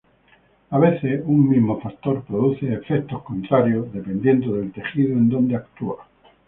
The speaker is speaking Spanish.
A veces un mismo factor produce efectos contrarios dependiendo del tejido en donde actúa.